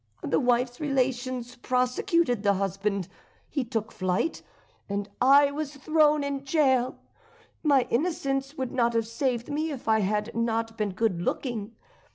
The wife's relations prosecuted the husband; he took flight, and I was thrown into jail. My innocence would not have saved me if I had not been good looking.